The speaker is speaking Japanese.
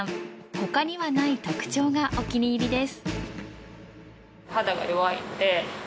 他にはない特徴がお気に入りです。